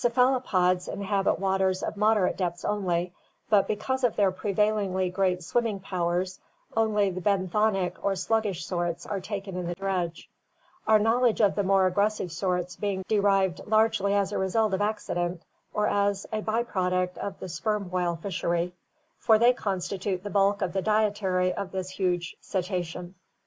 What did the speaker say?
Cephalopods (see Chapter XXVI) inhabit waters of moderate depths only, but because of their prevailingly great swimming pow ers only the benthonic or sluggish sorts are taken in the dredge, our knowledge of the more aggressive sorts being derived largely as a result of accident or as a by product of the sperm whale fishery, for they constitute the bulk of the dietary of this nuge cetacean.